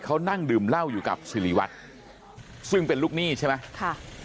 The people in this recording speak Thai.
เขานั่งดื่มเหล้าอยู่กับสิริวัตรซึ่งเป็นลูกหนี้ใช่ไหมค่ะ